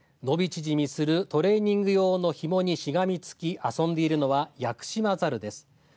伸び縮みするトレーニング用のひもにしがみつき遊んでいるのはヤクシマザルです。